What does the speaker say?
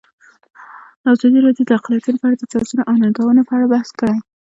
ازادي راډیو د اقلیتونه په اړه د چانسونو او ننګونو په اړه بحث کړی.